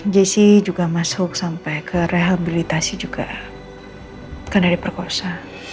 jessi juga masuk sampai ke rehabilitasi juga karena diperkosa